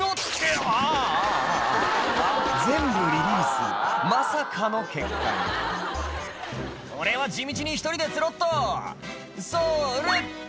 「ああああ」全部リリースまさかの結果に「俺は地道に１人で釣ろっとそれ」